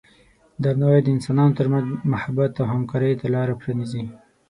درناوی د انسانانو ترمنځ محبت او همکارۍ ته لاره پرانیزي.